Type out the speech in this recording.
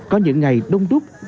có những ngày đông đúc